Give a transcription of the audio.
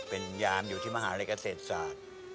เป็นยามอยู่ที่มหาลัยเกษตรศาสตร์